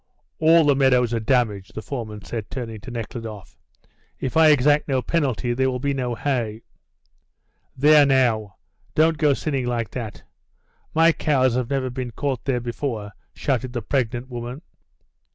"All the meadows are damaged," the foreman said, turning to Nekhludoff. "If I exact no penalty there will be no hay." "There, now, don't go sinning like that; my cows have never been caught there before," shouted the pregnant woman.